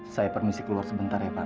saya permisi keluar sebentar ya pak